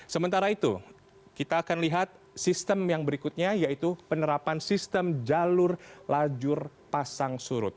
sementara itu kita akan lihat sistem yang berikutnya yaitu penerapan sistem jalur lajur pasang surut